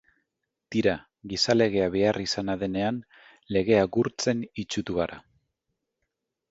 Tira, gizalegea beharrizana denean legea gurtzen itsutu gara.